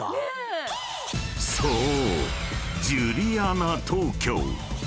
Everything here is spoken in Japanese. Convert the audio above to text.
［そう］